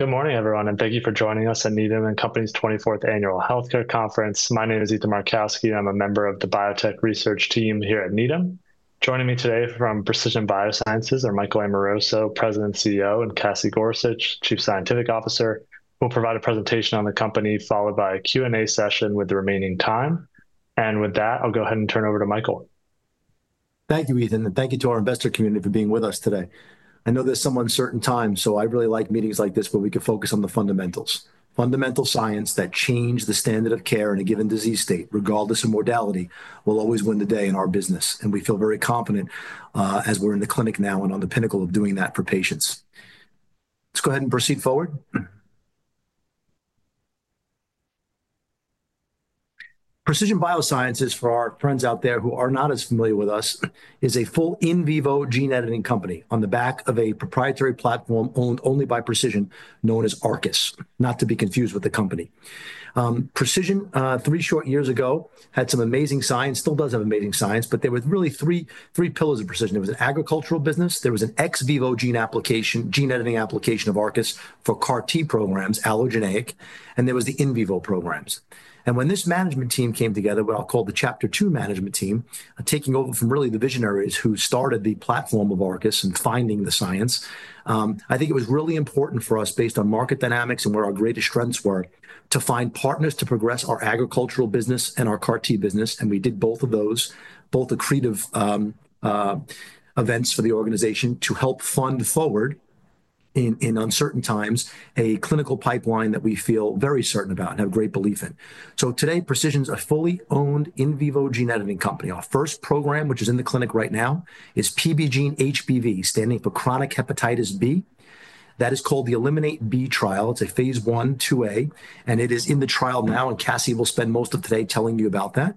Good morning, everyone, and thank you for joining us at Needham & Company's 24th Annual Healthcare Conference. My name is Ethan Markowski. I'm a member of the Biotech Research Team here at Needham. Joining me today from Precision BioSciences are Michael Amoroso, President and CEO, and Cassie Gorsuch, Chief Scientific Officer. We'll provide a presentation on the company, followed by a Q&A session with the remaining time. I will go ahead and turn it over to Michael. Thank you, Ethan, and thank you to our investor community for being with us today. I know this is some uncertain time, so I really like meetings like this where we can focus on the fundamentals. Fundamental science that changes the standard of care in a given disease state, regardless of modality, will always win the day in our business. We feel very confident as we're in the clinic now and on the pinnacle of doing that for patients. Let's go ahead and proceed forward. Precision BioSciences, for our friends out there who are not as familiar with us, is a full in vivo gene editing company on the back of a proprietary platform owned only by Precision, known as ARCUS, not to be confused with the company. Precision, three short years ago, had some amazing science, still does have amazing science, but there were really three pillars of Precision. There was an agricultural business, there was an ex vivo gene application, gene editing application of ARCUS for CAR T programs, allogeneic, and there were the in vivo programs. When this management team came together, what I'll call the Chapter Two management team, taking over from really the visionaries who started the platform of ARCUS and finding the science, I think it was really important for us, based on market dynamics and where our greatest strengths were, to find partners to progress our agricultural business and our CAR T business. We did both of those, both accretive events for the organization to help fund forward, in uncertain times, a clinical pipeline that we feel very certain about and have great belief in. Today, Precision's a fully owned in vivo gene editing company. Our first program, which is in the clinic right now, is PBGene-HBV, standing for chronic hepatitis B. That is called the ELIMINATE-B trial. It's a phase I/IIA, and it is in the trial now, and Cassie will spend most of today telling you about that.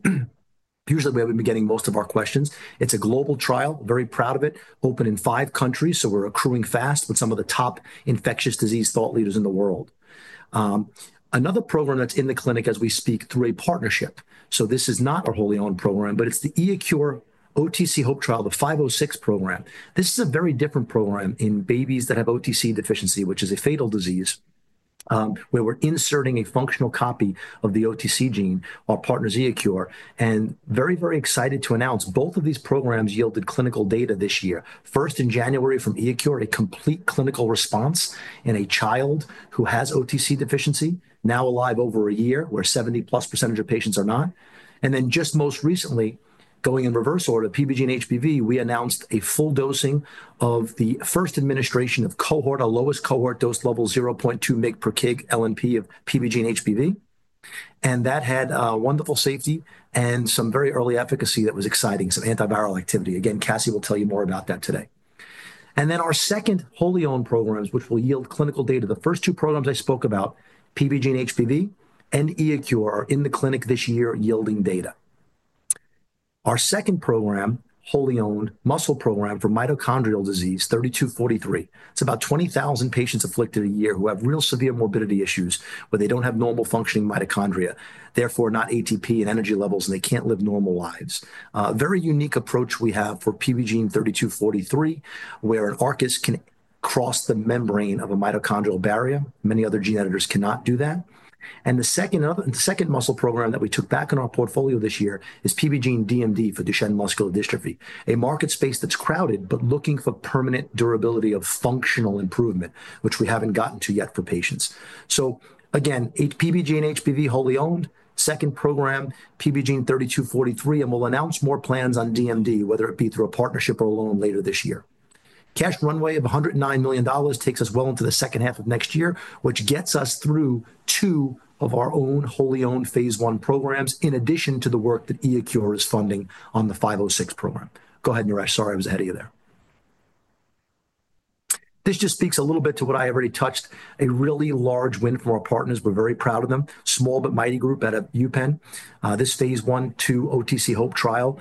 Usually, there we'll be getting most of our questions. It's a global trial, very proud of it, open in five countries, so we're accruing fast with some of the top infectious disease thought leaders in the world. Another program that's in the clinic as we speak through a partnership, so this is not our wholly owned program, but it's the ECUR OTC-HOPE trial, the 506 program. This is a very different program in babies that have OTC deficiency, which is a fatal disease, where we're inserting a functional copy of the OTC gene, our partners iECURE, and very, very excited to announce both of these programs yielded clinical data this year. First, in January from iECURE, a complete clinical response in a child who has OTC deficiency, now alive over a year, where 70+% of patients are not. Just most recently, going in reverse order, PBGene-HBV, we announced a full dosing of the first administration of cohort, a lowest cohort dose level, 0.2mcg per kg LNP of PBGene-HBV. That had wonderful safety and some very early efficacy that was exciting, some antiviral activity. Again, Cassie will tell you more about that today. Our second wholly owned programs, which will yield clinical data, the first two programs I spoke about, PBGene-HBV and ECUR, are in the clinic this year yielding data. Our second program, wholly owned, muscle program for mitochondrial disease 3243. It's about 20,000 patients afflicted a year who have real severe morbidity issues, where they don't have normal functioning mitochondria, therefore not ATP and energy levels, and they can't live normal lives. Very unique approach we have for PBGene-3243, where an ARCUS can cross the membrane of a mitochondrial barrier. Many other gene editors cannot do that. The second muscle program that we took back in our portfolio this year is PBGene-DMD for Duchenne muscular dystrophy, a market space that's crowded but looking for permanent durability of functional improvement, which we haven't gotten to yet for patients. Again, PBGene-HBV, wholly owned, second program, PBGene-3243, and we'll announce more plans on DMD, whether it be through a partnership or alone later this year. Cash runway of $109 million takes us well into the second half of next year, which gets us through two of our own wholly owned phase one programs, in addition to the work that iECURE is funding on the 506 program. Go ahead, Naresh, sorry I was ahead of you there. This just speaks a little bit to what I already touched, a really large win for our partners. We're very proud of them, small but mighty group at UPenn. This phase one, two OTC Hope trial,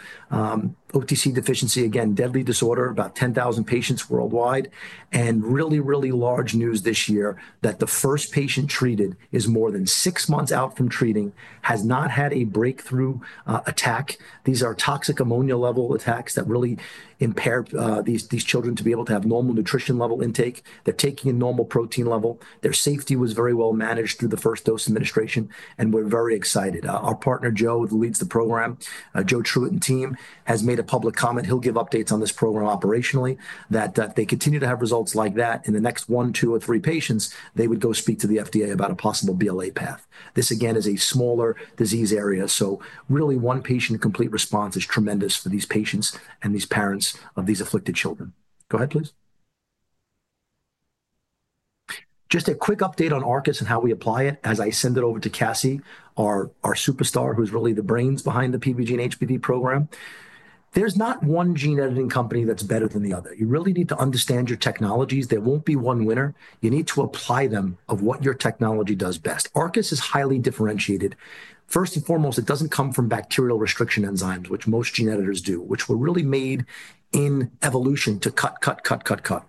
OTC deficiency, again, deadly disorder, about 10,000 patients worldwide, and really, really large news this year that the first patient treated is more than six months out from treating, has not had a breakthrough attack. These are toxic ammonia level attacks that really impair these children to be able to have normal nutrition level intake. They're taking a normal protein level. Their safety was very well managed through the first dose administration, and we're very excited. Our partner, Joe, who leads the program, Joe Truitt and team, has made a public comment. He'll give updates on this program operationally, that if they continue to have results like that in the next one, two, or three patients, they would go speak to the FDA about a possible BLA path. This, again, is a smaller disease area, so really one patient complete response is tremendous for these patients and these parents of these afflicted children. Go ahead, please. Just a quick update on ARCUS and how we apply it, as I send it over to Cassie, our superstar, who's really the brains behind the PBGene-HBV program. There's not one gene editing company that's better than the other. You really need to understand your technologies. There won't be one winner. You need to apply them of what your technology does best. ARCUS is highly differentiated. First and foremost, it doesn't come from bacterial restriction enzymes, which most gene editors do, which were really made in evolution to cut, cut, cut, cut, cut.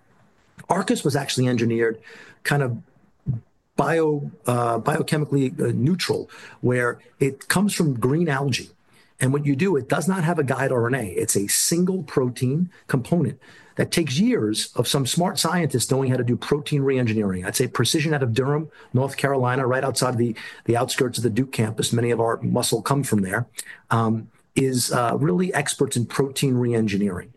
ARCUS was actually engineered kind of biochemically neutral, where it comes from green algae. What you do, it does not have a guide RNA. It's a single protein component that takes years of some smart scientists knowing how to do protein re-engineering. I'd say Precision out of Durham, North Carolina, right outside of the outskirts of the Duke campus, many of our muscle come from there, is really experts in protein re-engineering.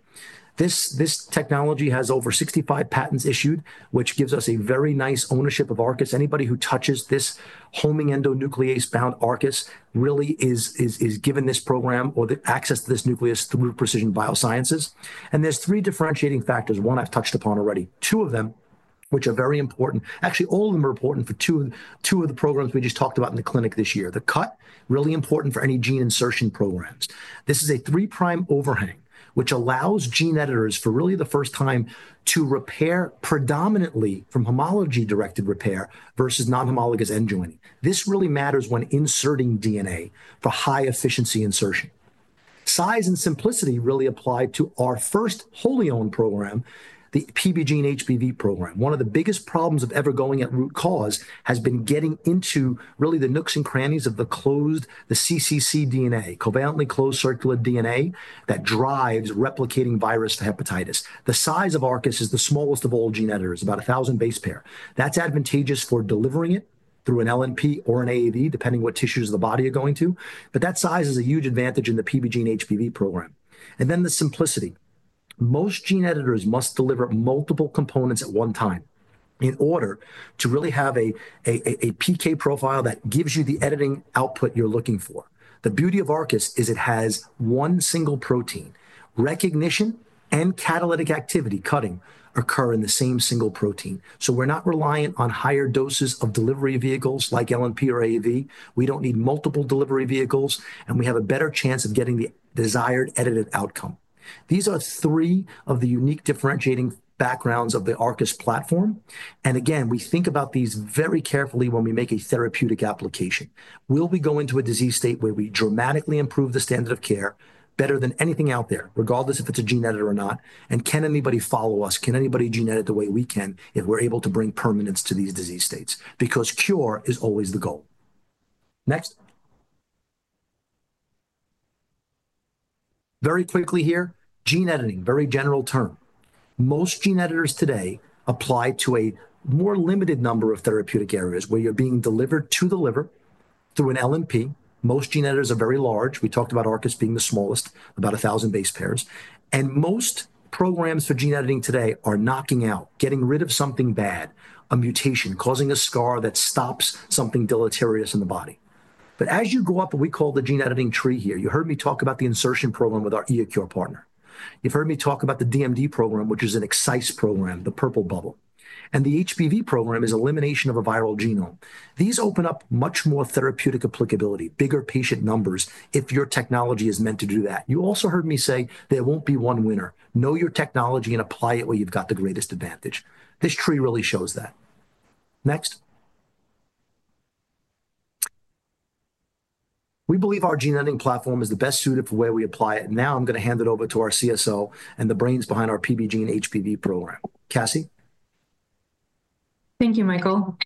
This technology has over 65 patents issued, which gives us a very nice ownership of ARCUS. Anybody who touches this homing endonuclease-bound ARCUS really is given this program or access to this nuclease through Precision BioSciences. There are three differentiating factors, one I have touched upon already, two of them, which are very important. Actually, all of them are important for two of the programs we just talked about in the clinic this year. The cut, really important for any gene insertion programs. This is a three-prime overhang, which allows gene editors for really the first time to repair predominantly from homology-directed repair versus non-homologous end joining. This really matters when inserting DNA for high efficiency insertion. Size and simplicity really apply to our first wholly owned program, the PBGene-HBV program. One of the biggest problems of ever going at root cause has been getting into really the nooks and crannies of the closed, the cccDNA, covalently closed circular DNA that drives replicating virus to hepatitis. The size of ARCUS is the smallest of all gene editors, about 1,000 base pair. That's advantageous for delivering it through an LNP or an AAV, depending what tissues the body is going to, but that size is a huge advantage in the PBGene-HBV program. The simplicity. Most gene editors must deliver multiple components at one time in order to really have a PK profile that gives you the editing output you're looking for. The beauty of ARCUS is it has one single protein. Recognition and catalytic activity cutting occur in the same single protein. We are not reliant on higher doses of delivery vehicles like LNP or AAV. We don't need multiple delivery vehicles, and we have a better chance of getting the desired edited outcome. These are three of the unique differentiating backgrounds of the ARCUS platform. Again, we think about these very carefully when we make a therapeutic application. We will go into a disease state where we dramatically improve the standard of care better than anything out there, regardless if it's a gene editor or not? Can anybody follow us? Can anybody gene edit the way we can if we're able to bring permanence to these disease states? Because cure is always the goal. Next. Very quickly here, gene editing, very general term. Most gene editors today apply to a more limited number of therapeutic areas where you're being delivered to the liver through an LNP. Most gene editors are very large. We talked about ARCUS being the smallest, about 1,000 base pairs. Most programs for gene editing today are knocking out, getting rid of something bad, a mutation causing a scar that stops something deleterious in the body. As you go up, we call the gene editing tree here. You heard me talk about the insertion program with our iECURE partner. You have heard me talk about the DMD program, which is an excise program, the purple bubble. The HBV program is elimination of a viral genome. These open up much more therapeutic applicability, bigger patient numbers if your technology is meant to do that. You also heard me say there will not be one winner. Know your technology and apply it where you have got the greatest advantage. This tree really shows that. Next. We believe our gene editing platform is the best suited for where we apply it. Now I'm going to hand it over to our CSO and the brains behind our PBGene-HBV program. Cassie. Thank you, Michael.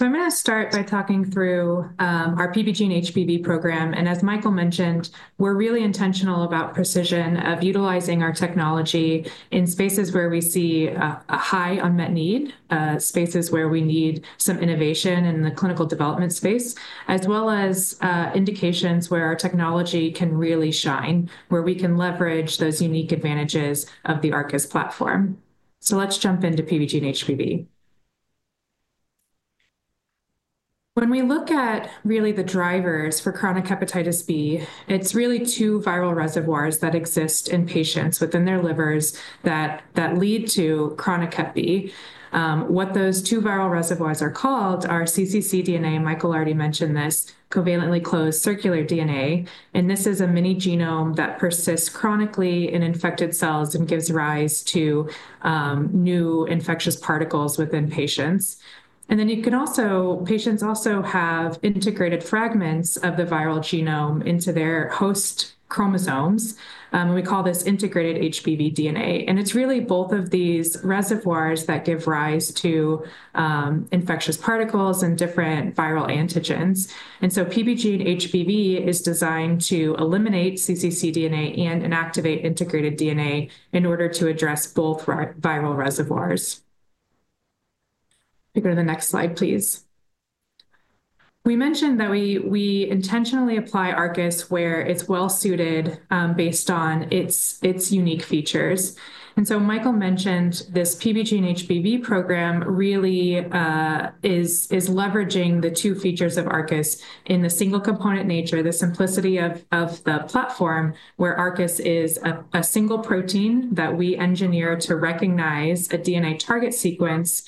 I'm going to start by talking through our PBGene-HBV program. As Michael mentioned, we're really intentional about Precision, of utilizing our technology in spaces where we see a high unmet need, spaces where we need some innovation in the clinical development space, as well as indications where our technology can really shine, where we can leverage those unique advantages of the ARCUS platform. Let's jump into PBGene-HBV. When we look at really the drivers for chronic hepatitis B, it's really two viral reservoirs that exist in patients within their livers that lead to chronic hep B. What those two viral reservoirs are called are cccDNA, Michael already mentioned this, covalently closed circular DNA. This is a mini genome that persists chronically in infected cells and gives rise to new infectious particles within patients. You can also, patients also have integrated fragments of the viral genome into their host chromosomes. We call this integrated HBV DNA. It is really both of these reservoirs that give rise to infectious particles and different viral antigens. PBGene-HBV is designed to eliminate cccDNA and inactivate integrated DNA in order to address both viral reservoirs. If you go to the next slide, please. We mentioned that we intentionally apply ARCUS where it is well suited based on its unique features. Michael mentioned this PBGene-HBV program really is leveraging the two features of ARCUS in the single component nature, the simplicity of the platform, where ARCUS is a single protein that we engineer to recognize a DNA target sequence,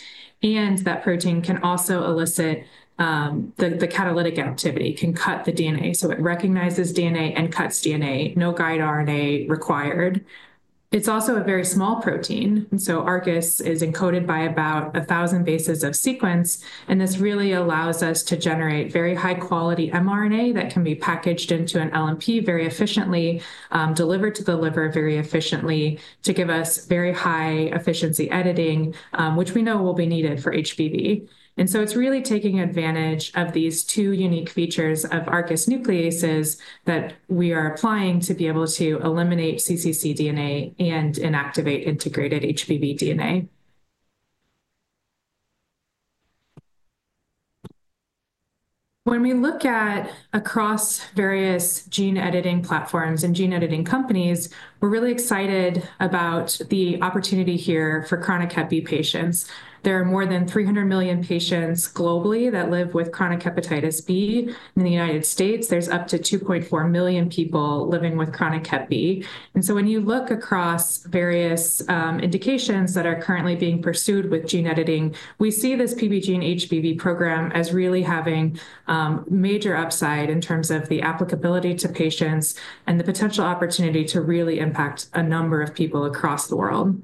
and that protein can also elicit the catalytic activity, can cut the DNA. It recognizes DNA and cuts DNA, no guide RNA required. It's also a very small protein, and so ARCUS is encoded by about 1,000 bases of sequence, and this really allows us to generate very high quality mRNA that can be packaged into an LNP very efficiently, delivered to the liver very efficiently to give us very high efficiency editing, which we know will be needed for HBV. It is really taking advantage of these two unique features of ARCUS nucleases that we are applying to be able to eliminate cccDNA and inactivate integrated HBV DNA. When we look across various gene editing platforms and gene editing companies, we're really excited about the opportunity here for chronic hep B patients. There are more than 300 million patients globally that live with chronic hepatitis B. In the United States, there's up to 2.4 million people living with chronic hep B. When you look across various indications that are currently being pursued with gene editing, we see this PBGene-HBV program as really having major upside in terms of the applicability to patients and the potential opportunity to really impact a number of people across the world.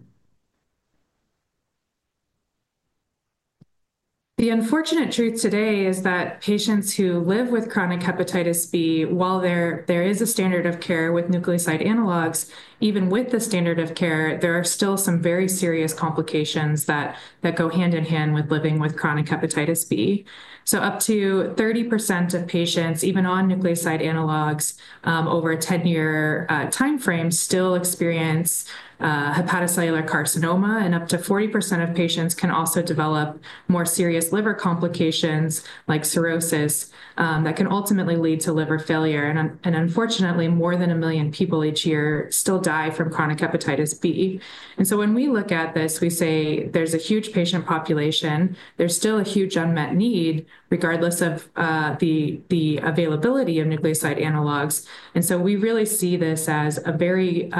The unfortunate truth today is that patients who live with chronic hepatitis B, while there is a standard of care with nucleoside analogs, even with the standard of care, there are still some very serious complications that go hand in hand with living with chronic hepatitis B. Up to 30% of patients, even on nucleoside analogs over a 10-year timeframe, still experience hepatocellular carcinoma, and up to 40% of patients can also develop more serious liver complications like cirrhosis that can ultimately lead to liver failure. Unfortunately, more than a million people each year still die from chronic hepatitis B. When we look at this, we say there's a huge patient population, there's still a huge unmet need regardless of the availability of nucleoside analogs. We really see this as a very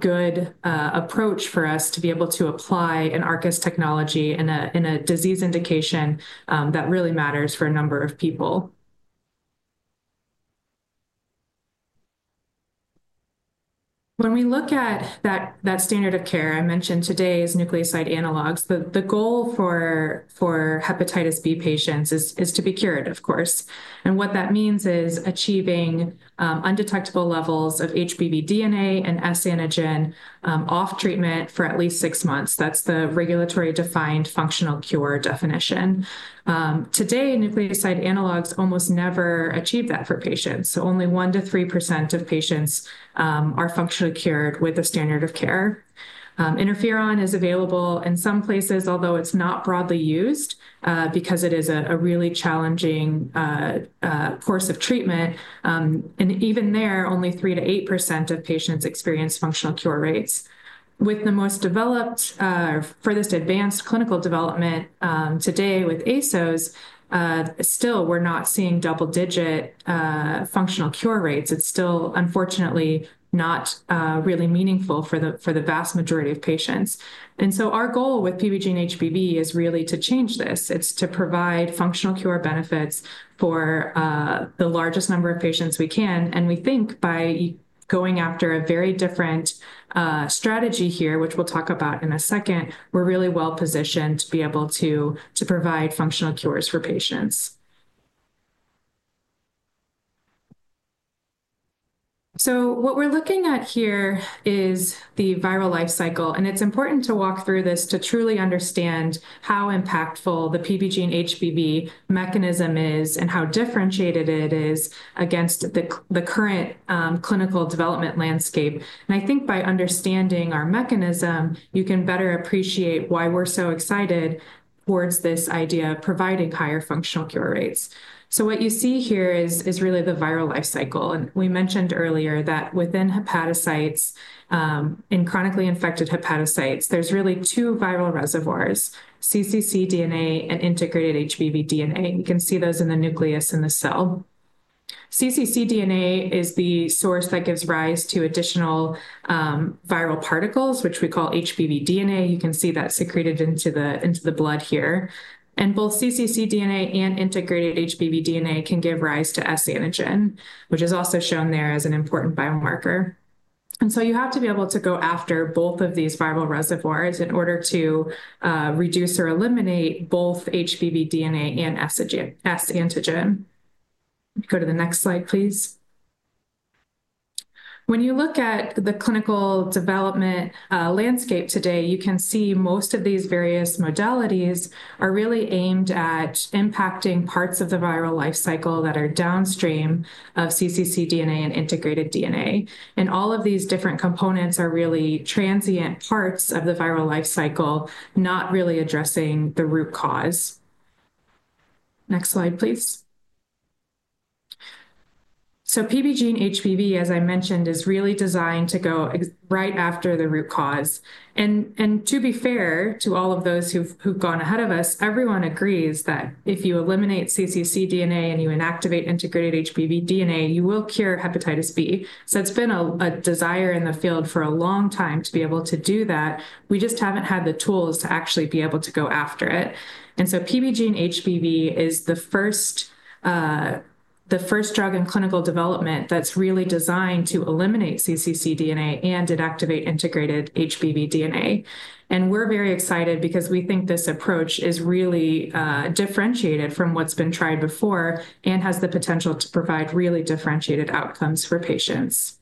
good approach for us to be able to apply an ARCUS technology in a disease indication that really matters for a number of people. When we look at that standard of care, I mentioned today's nucleoside analogs, the goal for hepatitis B patients is to be cured, of course. What that means is achieving undetectable levels of HBV DNA and S antigen off treatment for at least six months. That's the regulatory defined functional cure definition. Today, nucleoside analogs almost never achieve that for patients. Only 1% to 3% of patients are functionally cured with a standard of care. Interferon is available in some places, although it is not broadly used because it is a really challenging course of treatment. Even there, only 3% to 8% of patients experience functional cure rates. With the most developed, furthest advanced clinical development today with ASOs, still we are not seeing double-digit functional cure rates. It is still unfortunately not really meaningful for the vast majority of patients. Our goal with PBGene-HBV is really to change this. It is to provide functional cure benefits for the largest number of patients we can. We think by going after a very different strategy here, which we will talk about in a second, we are really well positioned to be able to provide functional cures for patients. What we are looking at here is the viral life cycle. It is important to walk through this to truly understand how impactful the PBGene-HBV mechanism is and how differentiated it is against the current clinical development landscape. I think by understanding our mechanism, you can better appreciate why we are so excited towards this idea of providing higher functional cure rates. What you see here is really the viral life cycle. We mentioned earlier that within hepatocytes, in chronically infected hepatocytes, there are really two viral reservoirs, covalently closed circular DNA (cccDNA) and integrated HBV DNA. You can see those in the nucleus in the cell. The cccDNA is the source that gives rise to additional viral particles, which we call HBV DNA. You can see that secreted into the blood here. Both cccDNA and integrated HBV DNA can give rise to S antigen, which is also shown there as an important biomarker. You have to be able to go after both of these viral reservoirs in order to reduce or eliminate both HBV DNA and S antigen. Go to the next slide, please. When you look at the clinical development landscape today, you can see most of these various modalities are really aimed at impacting parts of the viral life cycle that are downstream of cccDNA and integrated DNA. All of these different components are really transient parts of the viral life cycle, not really addressing the root cause. Next slide, please. PBGene-HBV, as I mentioned, is really designed to go right after the root cause. To be fair to all of those who've gone ahead of us, everyone agrees that if you eliminate cccDNA and you inactivate integrated HBV DNA, you will cure hepatitis B. It's been a desire in the field for a long time to be able to do that. We just haven't had the tools to actually be able to go after it. PBGene-HBV is the first drug in clinical development that's really designed to eliminate cccDNA and inactivate integrated HBV DNA. We're very excited because we think this approach is really differentiated from what's been tried before and has the potential to provide really differentiated outcomes for patients.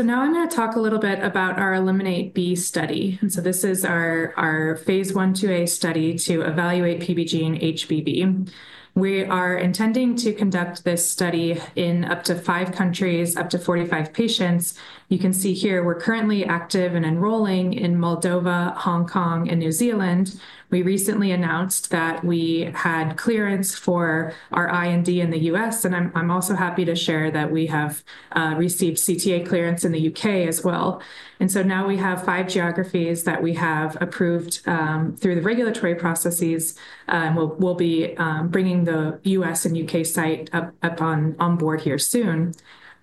Now I'm going to talk a little bit about our ELIMINATE-B study. This is our phase I/IIA study to evaluate PBGene-HBV. We are intending to conduct this study in up to five countries, up to 45 patients. You can see here we're currently active and enrolling in Moldova, Hong Kong, and New Zealand. We recently announced that we had clearance for our IND in the US. I am also happy to share that we have received CTA clearance in the UK as well. Now we have five geographies that we have approved through the regulatory processes. We will be bringing the US and UK site up on board here soon.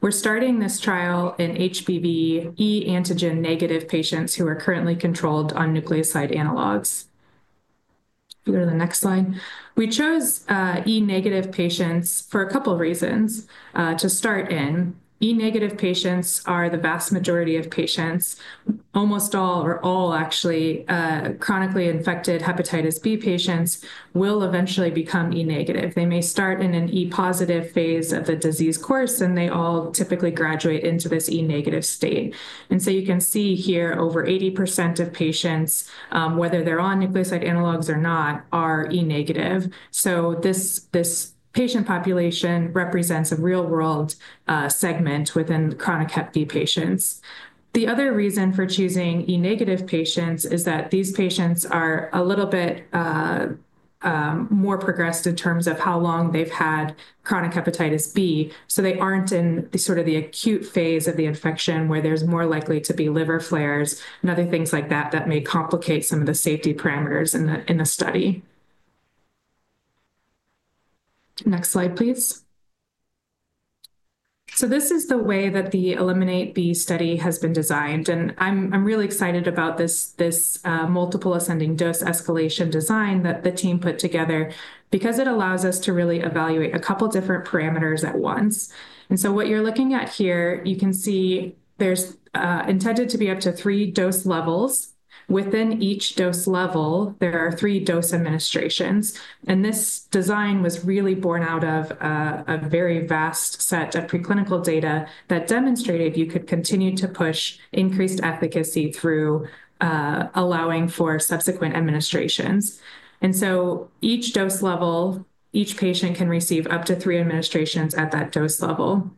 We are starting this trial in HBV e antigen negative patients who are currently controlled on nucleoside analogs. Go to the next slide. We chose e negative patients for a couple of reasons to start in. The e negative patients are the vast majority of patients. Almost all, or all actually, chronically infected hepatitis B patients will eventually become e negative. They may start in an e positive phase of the disease course, and they all typically graduate into this e negative state. You can see here over 80% of patients, whether they're on nucleoside analogs or not, are e negative. This patient population represents a real-world segment within chronic hep B patients. The other reason for choosing e negative patients is that these patients are a little bit more progressed in terms of how long they've had chronic hepatitis B. They aren't in sort of the acute phase of the infection where there's more likely to be liver flares and other things like that that may complicate some of the safety parameters in the study. Next slide, please. This is the way that the ELIMINATE-B study has been designed. I'm really excited about this multiple ascending dose escalation design that the team put together because it allows us to really evaluate a couple of different parameters at once. What you're looking at here, you can see there's intended to be up to three dose levels. Within each dose level, there are three dose administrations. This design was really born out of a very vast set of preclinical data that demonstrated you could continue to push increased efficacy through allowing for subsequent administrations. Each dose level, each patient can receive up to three administrations at that dose level.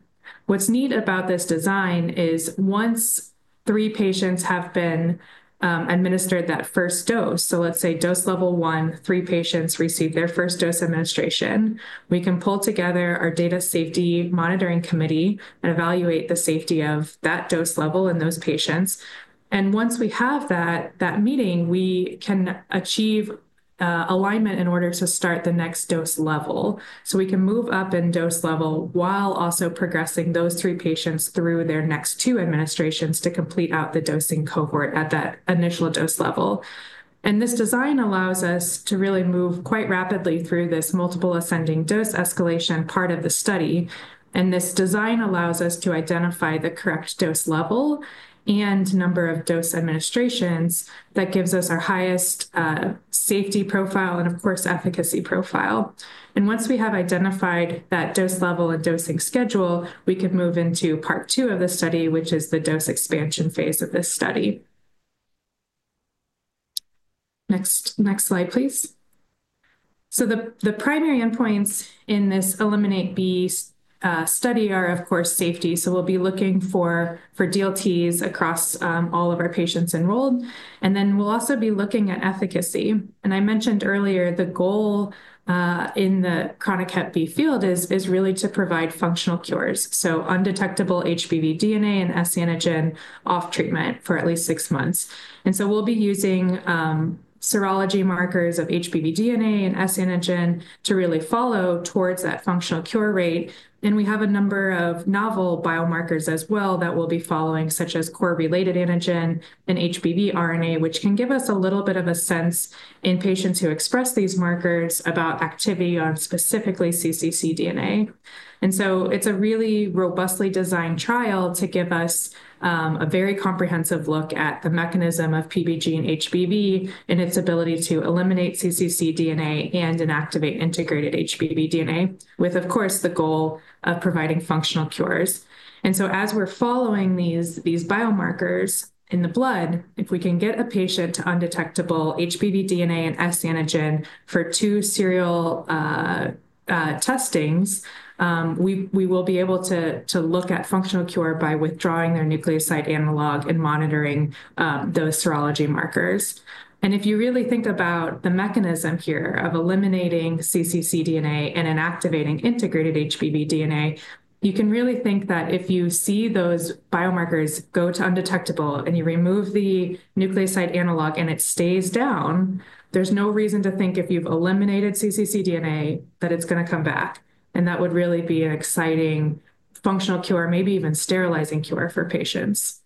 What's neat about this design is once three patients have been administered that first dose, so let's say dose level one, three patients receive their first dose administration, we can pull together our data safety monitoring committee and evaluate the safety of that dose level in those patients. Once we have that meeting, we can achieve alignment in order to start the next dose level. We can move up in dose level while also progressing those three patients through their next two administrations to complete out the dosing cohort at that initial dose level. This design allows us to really move quite rapidly through this multiple ascending dose escalation part of the study. This design allows us to identify the correct dose level and number of dose administrations that gives us our highest safety profile and, of course, efficacy profile. Once we have identified that dose level and dosing schedule, we can move into part two of the study, which is the dose expansion phase of this study. Next slide, please. The primary endpoints in this ELIMINATE-B study are, of course, safety. We will be looking for DLTs across all of our patients enrolled. We will also be looking at efficacy. I mentioned earlier the goal in the chronic hep B field is really to provide functional cures. Undetectable HBV DNA and S antigen off treatment for at least six months. We will be using serology markers of HBV DNA and S antigen to really follow towards that functional cure rate. We have a number of novel biomarkers as well that we will be following, such as core-related antigen and HBV RNA, which can give us a little bit of a sense in patients who express these markers about activity on specifically cccDNA. It is a really robustly designed trial to give us a very comprehensive look at the mechanism of PBGene-HBV and its ability to eliminate cccDNA and inactivate integrated HBV DNA, with, of course, the goal of providing functional cures. As we're following these biomarkers in the blood, if we can get a patient to undetectable HBV DNA and S antigen for two serial testings, we will be able to look at functional cure by withdrawing their nucleoside analog and monitoring those serology markers. If you really think about the mechanism here of eliminating cccDNA and inactivating integrated HBV DNA, you can really think that if you see those biomarkers go to undetectable and you remove the nucleoside analog and it stays down, there's no reason to think if you've eliminated cccDNA that it's going to come back. That would really be an exciting functional cure, maybe even sterilizing cure for patients.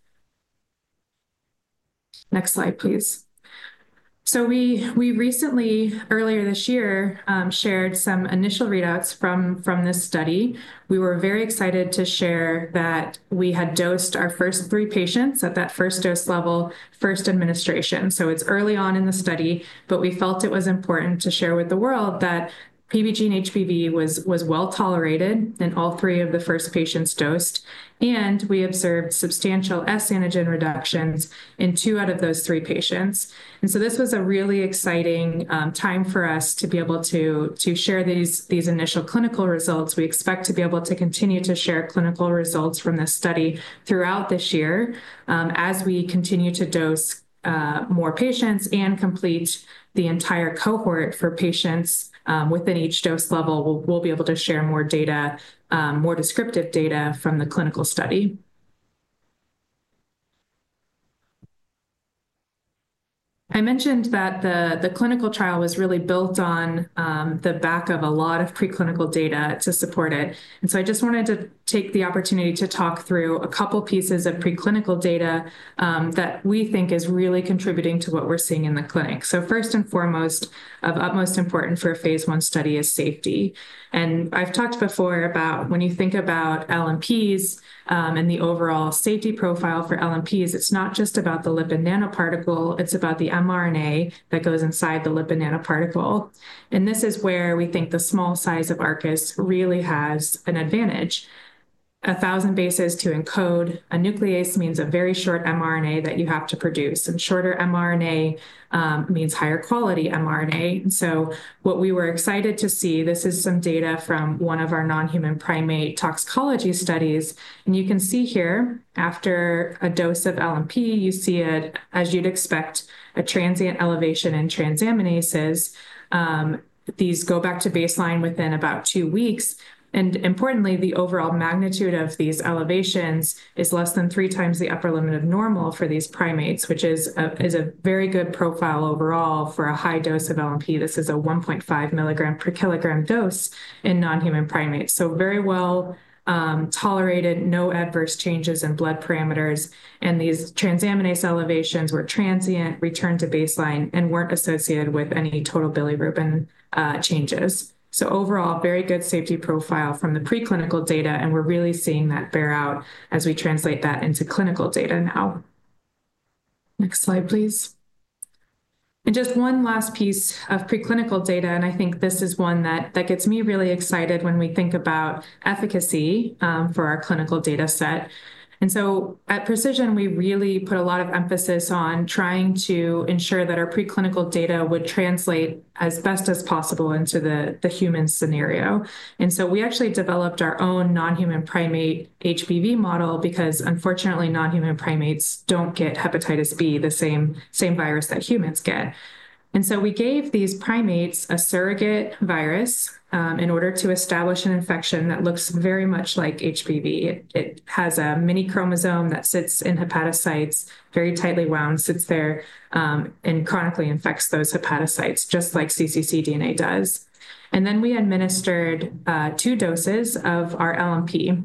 Next slide, please. We recently, earlier this year, shared some initial readouts from this study. We were very excited to share that we had dosed our first three patients at that first dose level, first administration. It is early on in the study, but we felt it was important to share with the world that PBGene-HBV was well tolerated in all three of the first patients dosed. We observed substantial S antigen reductions in two out of those three patients. This was a really exciting time for us to be able to share these initial clinical results. We expect to be able to continue to share clinical results from this study throughout this year as we continue to dose more patients and complete the entire cohort for patients within each dose level. We will be able to share more data, more descriptive data from the clinical study. I mentioned that the clinical trial was really built on the back of a lot of preclinical data to support it. I just wanted to take the opportunity to talk through a couple of pieces of preclinical data that we think is really contributing to what we're seeing in the clinic. First and foremost, of utmost importance for a phase one study is safety. I've talked before about when you think about LNPs and the overall safety profile for LNPs, it's not just about the lipid nanoparticle, it's about the mRNA that goes inside the lipid nanoparticle. This is where we think the small size of ARCUS really has an advantage. A thousand bases to encode a nuclease means a very short mRNA that you have to produce. Shorter mRNA means higher quality mRNA. What we were excited to see, this is some data from one of our non-human primate toxicology studies. You can see here, after a dose of LNP, you see, as you'd expect, a transient elevation in transaminases. These go back to baseline within about two weeks. Importantly, the overall magnitude of these elevations is less than three times the upper limit of normal for these primates, which is a very good profile overall for a high dose of LNP. This is a 1.5mg per kg dose in non-human primates. Very well tolerated, no adverse changes in blood parameters. These transaminase elevations were transient, returned to baseline, and were not associated with any total bilirubin changes. Overall, very good safety profile from the preclinical data. We are really seeing that bear out as we translate that into clinical data now. Next slide, please. Just one last piece of preclinical data. I think this is one that gets me really excited when we think about efficacy for our clinical data set. At Precision, we really put a lot of emphasis on trying to ensure that our preclinical data would translate as best as possible into the human scenario. We actually developed our own non-human primate HBV model because, unfortunately, non-human primates do not get hepatitis B, the same virus that humans get. We gave these primates a surrogate virus in order to establish an infection that looks very much like HBV. It has a mini chromosome that sits in hepatocytes, very tightly wound, sits there and chronically infects those hepatocytes, just like cccDNA does. We administered two doses of our LNP.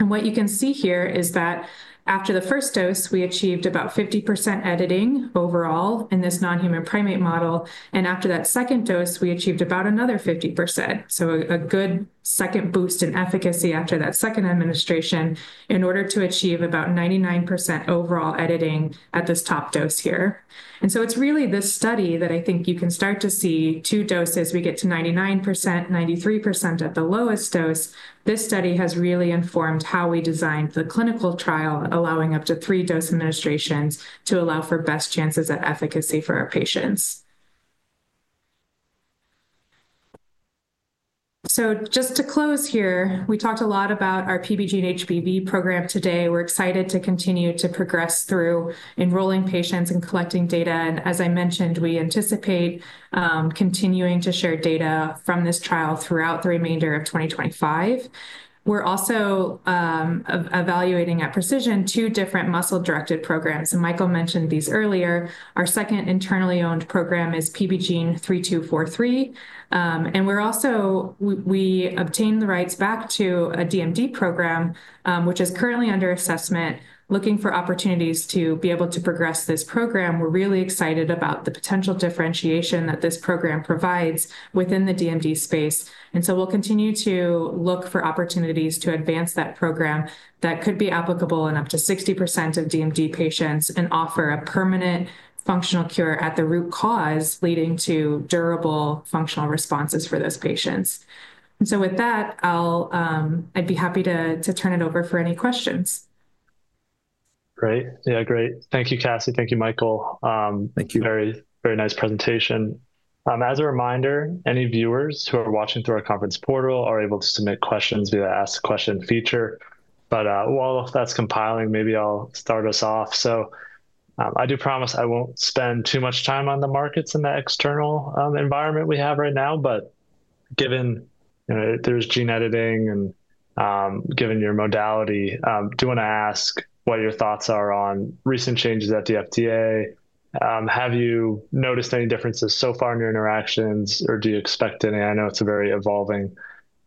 What you can see here is that after the first dose, we achieved about 50% editing overall in this non-human primate model. After that second dose, we achieved about another 50%. A good second boost in efficacy after that second administration in order to achieve about 99% overall editing at this top dose here. It is really this study that I think you can start to see two doses, we get to 99%, 93% at the lowest dose. This study has really informed how we designed the clinical trial, allowing up to three dose administrations to allow for best chances at efficacy for our patients. Just to close here, we talked a lot about our PBGene-HBV program today. We are excited to continue to progress through enrolling patients and collecting data. As I mentioned, we anticipate continuing to share data from this trial throughout the remainder of 2025. We are also evaluating at Precision two different muscle-directed programs. Michael mentioned these earlier. Our second internally owned program is PBGene-3243. We obtained the rights back to a DMD program, which is currently under assessment, looking for opportunities to be able to progress this program. We are really excited about the potential differentiation that this program provides within the DMD space. We will continue to look for opportunities to advance that program that could be applicable in up to 60% of DMD patients and offer a permanent functional cure at the root cause leading to durable functional responses for those patients. With that, I would be happy to turn it over for any questions. Great. Yeah, great. Thank you, Cassie. Thank you, Michael. Thank you. Very, very nice presentation. As a reminder, any viewers who are watching through our conference portal are able to submit questions via the ask a question feature. While that's compiling, maybe I'll start us off. I do promise I won't spend too much time on the markets and the external environment we have right now. Given there's gene editing and given your modality, I do want to ask what your thoughts are on recent changes at the FDA. Have you noticed any differences so far in your interactions, or do you expect any? I know it's a very evolving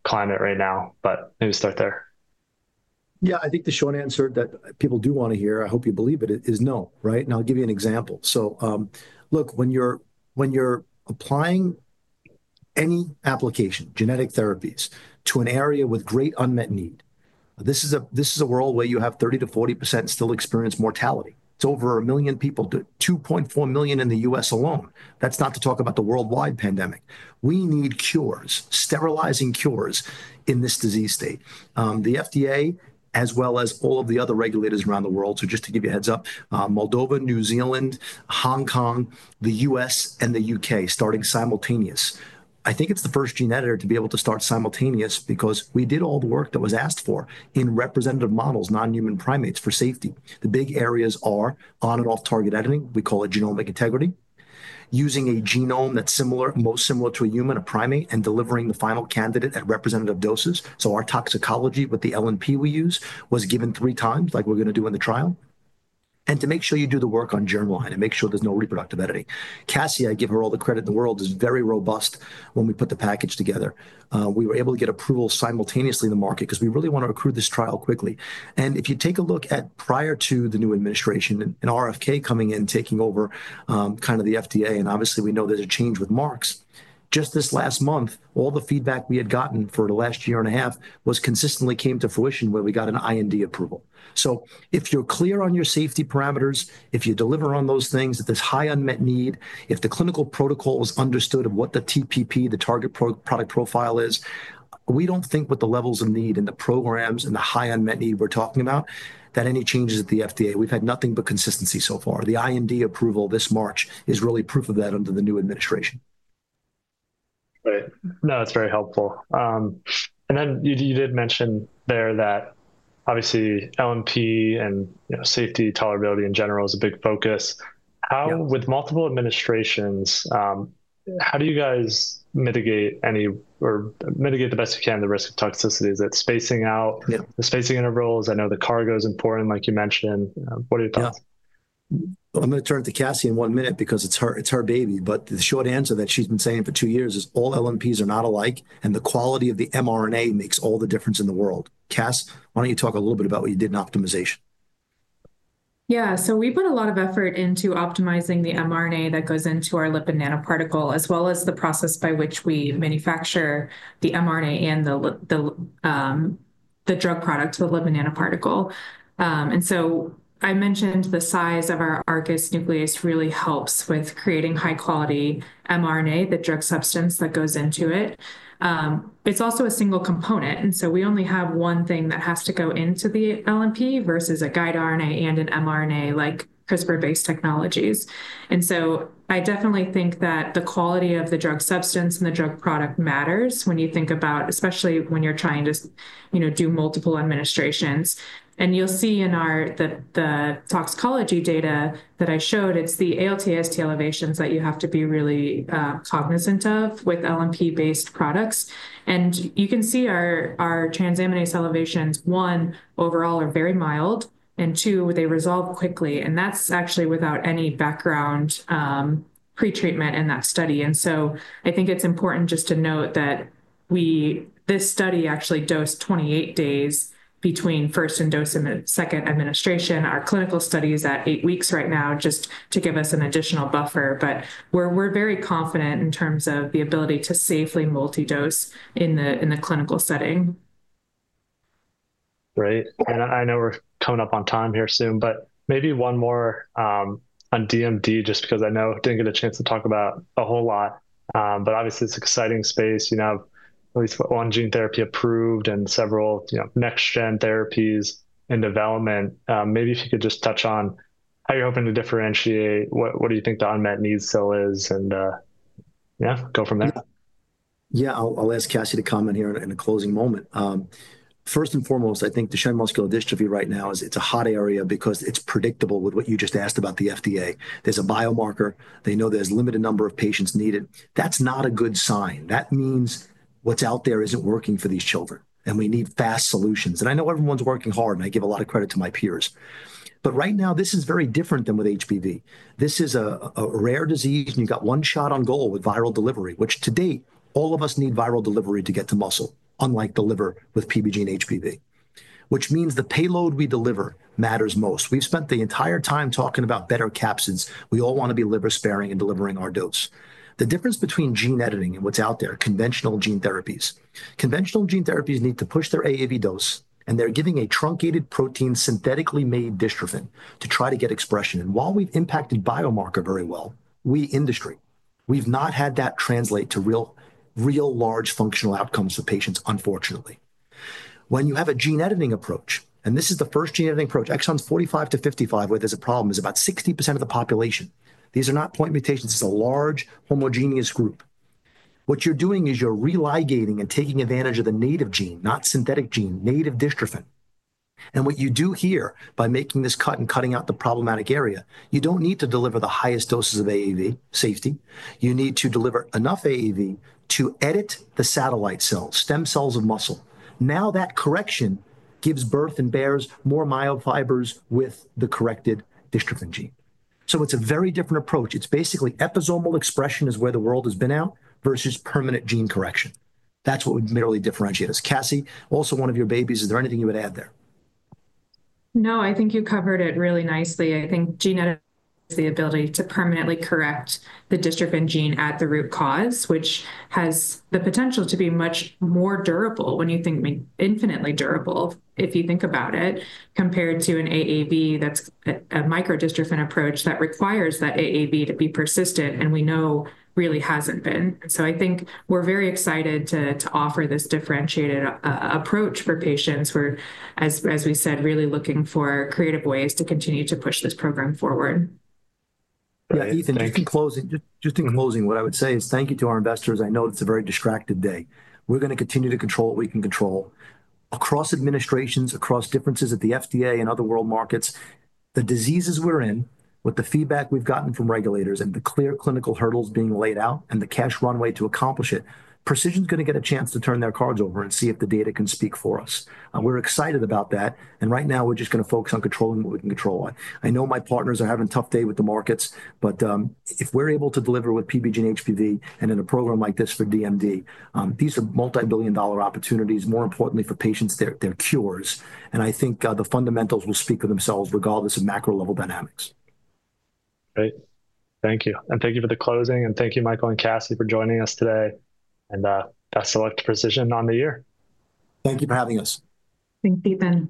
climate right now, but maybe start there. Yeah, I think the short answer that people do want to hear, I hope you believe it, is no, right? I'll give you an example. Look, when you're applying any application, genetic therapies, to an area with great unmet need, this is a world where you have 30-40% still experience mortality. It's over a million people, 2.4 million in the US alone. That's not to talk about the worldwide pandemic. We need cures, sterilizing cures in this disease state. The FDA, as well as all of the other regulators around the world, so just to give you a heads up, Moldova, New Zealand, Hong Kong, the US, and the UK starting simultaneous. I think it's the first gene editor to be able to start simultaneous because we did all the work that was asked for in representative models, non-human primates for safety. The big areas are on and off target editing. We call it genomic integrity, using a genome that's similar, most similar to a human, a primate, and delivering the final candidate at representative doses. Our toxicology with the LNP we use was given three times, like we're going to do in the trial. To make sure you do the work on germline and make sure there's no reproductive editing. Cassie, I give her all the credit in the world, is very robust when we put the package together. We were able to get approval simultaneously in the market because we really want to accrue this trial quickly. If you take a look at prior to the new administration and RFK coming in, taking over kind of the FDA, and obviously we know there's a change with Marks just this last month, all the feedback we had gotten for the last year and a half consistently came to fruition where we got an IND approval. If you're clear on your safety parameters, if you deliver on those things, if there's high unmet need, if the clinical protocol is understood of what the TPP, the target product profile is, we don't think with the levels of need and the programs and the high unmet need we're talking about that any changes at the FDA, we've had nothing but consistency so far. The IND approval this March is really proof of that under the new administration. Right. No, that's very helpful. You did mention there that obviously LNP and safety, tolerability in general is a big focus. With multiple administrations, how do you guys mitigate or mitigate the best you can the risk of toxicity? Is it spacing out? The spacing intervals? I know the cargo is important, like you mentioned. What are your thoughts? I'm going to turn to Cassie in one minute because it's her baby. The short answer that she's been saying for two years is all LNPs are not alike, and the quality of the mRNA makes all the difference in the world. Cass, why don't you talk a little bit about what you did in optimization? Yeah, so we put a lot of effort into optimizing the mRNA that goes into our lipid nanoparticle, as well as the process by which we manufacture the mRNA and the drug product, the lipid nanoparticle. I mentioned the size of our ARCUS nuclease really helps with creating high-quality mRNA, the drug substance that goes into it. It is also a single component. We only have one thing that has to go into the LNP versus a guide RNA and an mRNA like CRISPR-based technologies. I definitely think that the quality of the drug substance and the drug product matters when you think about, especially when you are trying to do multiple administrations. You will see in the toxicology data that I showed, it is the ALT and AST elevations that you have to be really cognizant of with LNP-based products. You can see our transaminase elevations, one, overall are very mild, and two, they resolve quickly. That is actually without any background pretreatment in that study. I think it's important just to note that this study actually dosed 28 days between first and second administration. Our clinical study is at eight weeks right now just to give us an additional buffer. We're very confident in terms of the ability to safely multi-dose in the clinical setting. Right. I know we're coming up on time here soon, but maybe one more on DMD just because I know I didn't get a chance to talk about a whole lot. Obviously, it's an exciting space. You now have at least one gene therapy approved and several next-gen therapies in development. Maybe if you could just touch on how you're hoping to differentiate, what do you think the unmet needs still is, and go from there. Yeah, I'll ask Cassie to comment here in a closing moment. First and foremost, I think the Duchenne muscular dystrophy right now, it's a hot area because it's predictable with what you just asked about the FDA. There's a biomarker. They know there's a limited number of patients needed. That's not a good sign. That means what's out there isn't working for these children. We need fast solutions. I know everyone's working hard, and I give a lot of credit to my peers. Right now, this is very different than with HBV. This is a rare disease, and you've got one shot on goal with viral delivery, which to date, all of us need viral delivery to get to muscle, unlike the liver with PBGene-HBV, which means the payload we deliver matters most. We've spent the entire time talking about better capsids. We all want to be liver-sparing and delivering our dose. The difference between gene editing and what's out there, conventional gene therapies. Conventional gene therapies need to push their AAV dose, and they're giving a truncated protein, synthetically made dystrophin to try to get expression. While we've impacted biomarker very well, we industry, we've not had that translate to real large functional outcomes for patients, unfortunately. When you have a gene editing approach, and this is the first gene editing approach, exons 45 to 55, where there's a problem, is about 60% of the population. These are not point mutations. It's a large homogeneous group. What you're doing is you're re-ligating and taking advantage of the native gene, not synthetic gene, native dystrophin. What you do here by making this cut and cutting out the problematic area, you don't need to deliver the highest doses of AAV safety. You need to deliver enough AAV to edit the satellite cells, stem cells of muscle. Now that correction gives birth and bears more myofibers with the corrected dystrophin gene. It is a very different approach. It is basically episomal expression is where the world has been at versus permanent gene correction. That is what would really differentiate us. Cassie, also one of your babies, is there anything you would add there? No, I think you covered it really nicely. I think gene editing is the ability to permanently correct the dystrophin gene at the root cause, which has the potential to be much more durable when you think infinitely durable if you think about it, compared to an AAV that is a microdystrophin approach that requires that AAV to be persistent, and we know really has not been. I think we're very excited to offer this differentiated approach for patients where, as we said, really looking for creative ways to continue to push this program forward. Yeah, Ethan, just in closing, what I would say is thank you to our investors. I know it's a very distracted day. We're going to continue to control what we can control. Across administrations, across differences at the FDA and other world markets, the diseases we're in, with the feedback we've gotten from regulators and the clear clinical hurdles being laid out and the cash runway to accomplish it, Precision's going to get a chance to turn their cards over and see if the data can speak for us. We're excited about that. Right now, we're just going to focus on controlling what we can control on. I know my partners are having a tough day with the markets, but if we're able to deliver with PBGene-HBV and in a program like this for DMD, these are multi-billion dollar opportunities, more importantly for patients, their cures. I think the fundamentals will speak for themselves regardless of macro-level dynamics. Great. Thank you. Thank you for the closing. Thank you, Michael and Cassie, for joining us today. Best of luck to Precision on the year. Thank you for having us. Thank you, Ethan.